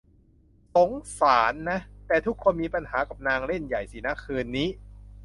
สงสารนะ แต่ทุกคนมีปัญหากับนาง เล่นใหญ่สินะคืนนี้